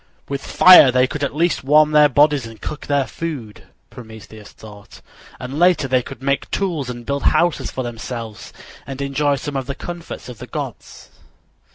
"With fire they could at least warm their bodies and cook their food," Prometheus thought, "and later they could make tools and build houses for themselves and enjoy some of the comforts of the gods."